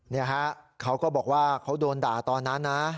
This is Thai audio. นี่ฮะเขาก็บอกว่าเขาโดนด่าตอนนั้นนะ